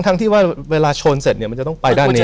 ที่ว่าเวลาชนเสร็จเนี่ยมันจะต้องไปด้านนี้